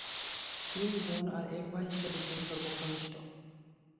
তিন বোন আর এক ভাই হিসেবে তিনি সর্বকনিষ্ঠ।